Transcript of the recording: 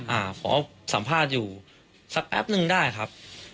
อ่าขอสัมภาษณ์อยู่สักแป๊บนึงได้ครับ